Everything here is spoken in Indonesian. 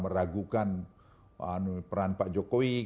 meragukan peran pak jokowi